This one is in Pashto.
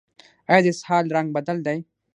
ایا د اسهال رنګ بدل دی؟